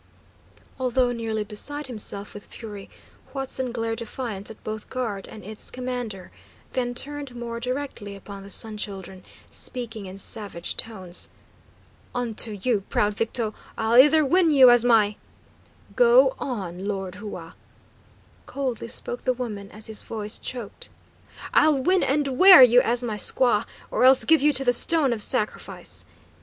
Although nearly beside himself with fury, Huatzin glared defiance at both guard and its commander, then turned more directly upon the Sun Children, speaking in savage tones: "Unto you, proud Victo, I'll either win you as my " "Go on, Lord Hua," coldly spoke the woman, as his voice choked. "I'll win and wear you as my squaw, or else give you to the stone of sacrifice!"